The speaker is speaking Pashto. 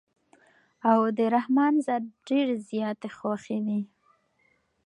او د رحمن ذات ډېرې زياتي خوښې دي